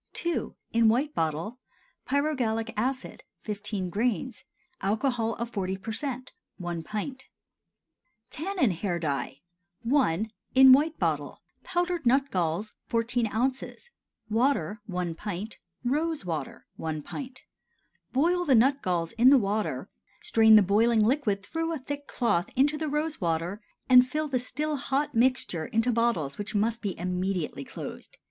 II. (In White Bottle.) Pyrogallic acid 15 grains. Alcohol of 40% 1 pint. TANNIN HAIR DYE. I. (In White Bottle.) Powdered nut galls 14 oz. Water 1 pint. Rose water 1 pint. Boil the nut galls in the water, strain the boiling liquid through a thick cloth into the rose water, and fill the still hot mixture into bottles which must be immediately closed.